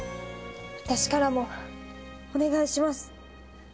私からもお願いします。